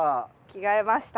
着替えました。